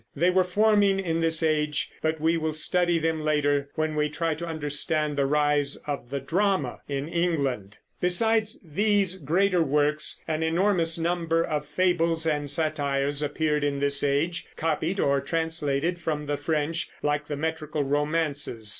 They were forming in this age; but we will study them later, when we try to understand the rise of the drama in England. Besides these greater works, an enormous number of fables and satires appeared in this age, copied or translated from the French, like the metrical romances.